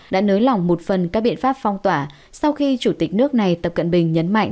đã nới lỏng một phần các biện pháp phong tỏa sau khi chủ tịch nước này tập cận bình nhấn mạnh